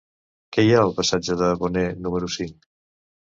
Què hi ha al passatge de Boné número cinc?